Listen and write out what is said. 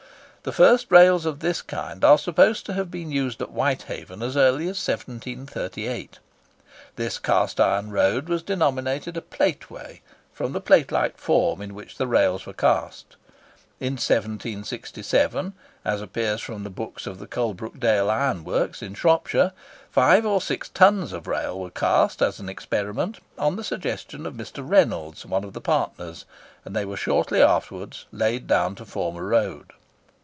The first rails of this kind are supposed to have been used at Whitehaven as early as 1738. This cast iron road was denominated a "plate way," from the plate like form in which the rails were cast. In 1767, as appears from the books of the Coalbrookdale Iron Works, in Shropshire, five or six tons of rails were cast, as an experiment, on the suggestion of Mr. Reynolds, one of the partners; and they were shortly after laid down to form a road.